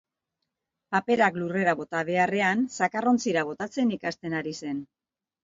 Paperak lurrera bota beharrean zakarrontzira botatzen ikasten ari zen.